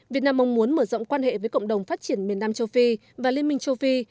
việt nam mong muốn mở rộng quan hệ với cộng đồng phát triển miền nam châu phi và liên minh châu phi